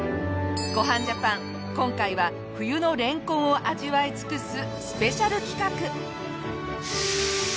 『ごはんジャパン』今回は冬のれんこんを味わい尽くすスペシャル企画！